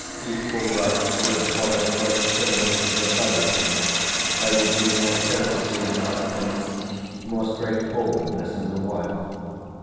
Equal rights would abolish both tyranny and rebellion; there would be more courtesy in the husband, more straightforwardness in the wife.